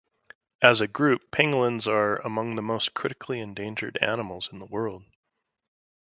As a group, pangolins are among the most critically endangered animals in the world.